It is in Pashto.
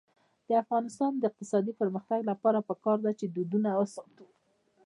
د افغانستان د اقتصادي پرمختګ لپاره پکار ده چې دودونه وساتو.